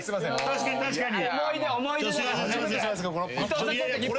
確かに確かに。